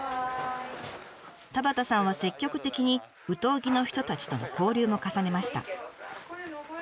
田端さんは積極的に有東木の人たちとの交流も重ねました。